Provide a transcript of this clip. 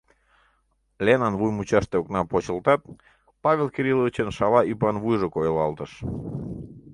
Ленан вуй мучаште окна почылтат, Павел Кирилловичын шала ӱпан вуйжо койылалтыш.